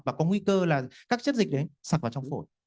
và có nguy cơ là các chất dịch đấy sặt vào trong phổi